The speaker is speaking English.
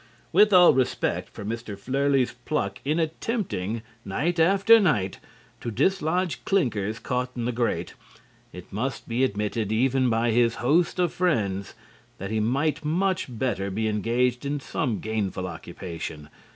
With all respect for Mr. Flerlie's pluck in attempting, night after night, to dislodge clinkers caught in the grate, it must be admitted, even by his host of friends, that he might much better be engaged in some gainful occupation.